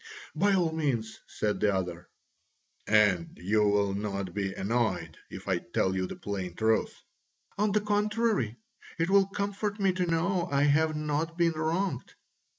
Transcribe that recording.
"By all means," said the other. "And you will not be annoyed if I tell you the plain truth?" "On the contrary, it will comfort me to know I have not been wronged."